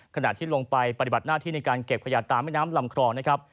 ขณะที่ลงไปปฏิบัติหน้าที่ในการเก็บขยะตามแม่น้ำลำคลองนะครับ